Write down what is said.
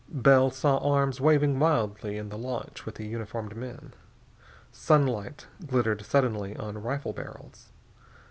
Bell saw arms waving wildly in the launch with the uniformed men. Sunlight glittered suddenly on rifle barrels.